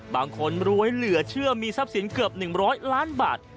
บางคนรวยเหลือเชื่อมีทรัพย์สินเกือบ๑๐๐ล้านบาท